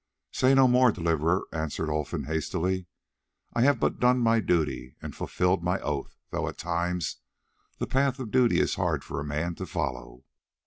"Say no more, Deliverer," answered Olfan hastily; "I have but done my duty and fulfilled my oath, though at times the path of duty is hard for a man to follow."